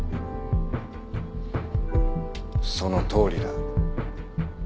そのとおりだ。